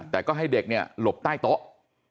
แต่ก็ให้เด็กเนี่ยหลบใต้โต๊ะ